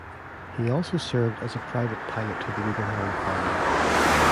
He also served as a private pilot to the Guggenheim family.